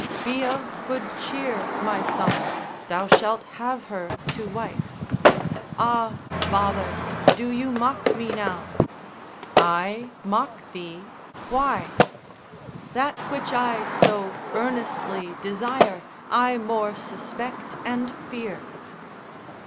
Be of good cheer, my son, thou shalt have her to wife. Ae. Ah father, do you mock me now? M. I mock thee, why? Ae. That which I so earnestly desire, I more suspect and fear.